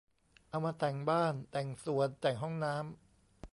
เอามาแต่งบ้าน แต่งสวน แต่งห้องน้ำ